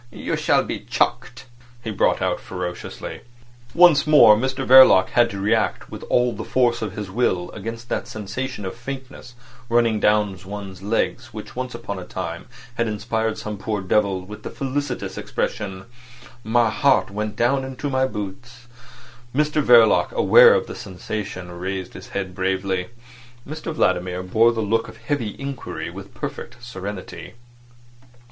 "You shall be chucked," he brought out ferociously. Once more Mr Verloc had to react with all the force of his will against that sensation of faintness running down one's legs which once upon a time had inspired some poor devil with the felicitous expression: "My heart went down into my boots." Mr Verloc, aware of the sensation, raised his head bravely. Mr Vladimir bore the look of heavy inquiry with perfect serenity.